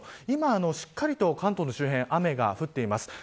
今、しっかりと関東の周辺雨が降っています。